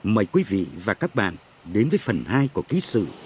mời quý vị và các bạn đến với phần hai của ký sự